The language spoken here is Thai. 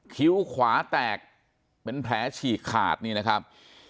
คิ้วขวาแตกเป็นแผลฉีกขาดนี่นะครับ